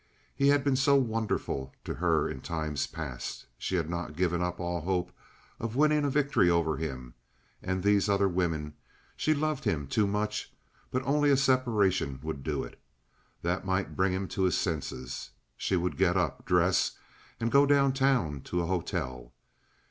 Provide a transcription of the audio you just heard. He had been so wonderful to her in times past. She had not given up all hope of winning a victory over him, and these other women—she loved him too much—but only a separation would do it. That might bring him to his senses. She would get up, dress, and go down town to a hotel.